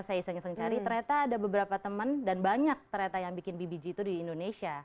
saya iseng iseng cari ternyata ada beberapa teman dan banyak ternyata yang bikin bbg itu di indonesia